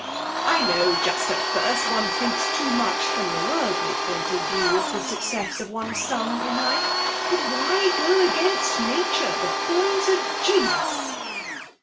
I know, just at first one thinks too much from the worldly point of view of the success of one's son in life. But why go against nature? The boy's a genius!'